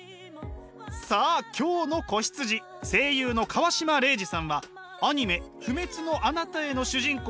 さあ今日の子羊声優の川島零士さんはアニメ「不滅のあなたへ」の主人公